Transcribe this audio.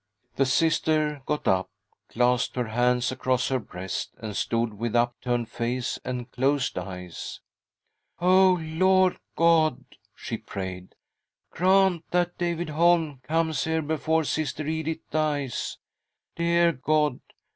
The Sister got up, clasped her hands across her breast, and stood with upturned face and closed eyes. " Oh, Lord God !" she prayed, " grant that David Holm comes here before Sister Edith dies ! Dear God !